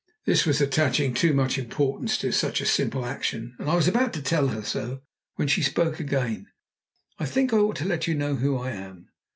This was attaching too much importance to such a simple action, and I was about to tell her so, when she spoke again: "I think I ought to let you know who I am.